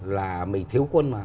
là mình thiếu quân mà